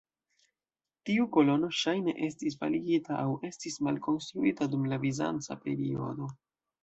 Tiu kolono ŝajne estis faligita aŭ estis malkonstruita dum la bizanca periodo.